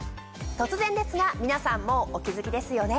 突然ですが皆さんもうお気付きですよね。